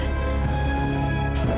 terima kasih tante